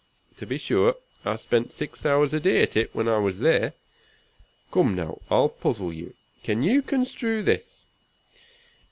To be sure, I spent six hours a day at it when I was there. Come now, I'll puzzle you. Can you construe this?